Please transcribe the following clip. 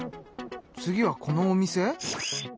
次はこのお店？